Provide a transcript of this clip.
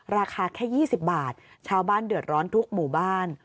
ราคาแค่๒๐บาทชาวบ้านเดือดร้อนทุกหมู่บ้าน